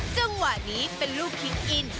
จังหวะนี้เป็นลูกคิงอิน